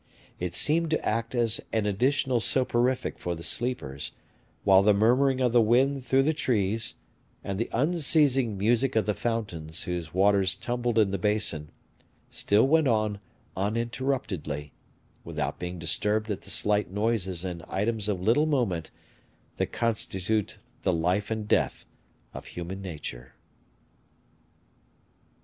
It seemed to act as an additional soporific for the sleepers, while the murmuring of the wind through the trees, and the unceasing music of the fountains whose waters tumbled in the basin, still went on uninterruptedly, without being disturbed at the slight noises and items of little moment that constitute the life and death of human nature.